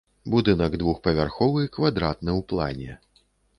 Будынак двухпавярховы, квадратны ў плане.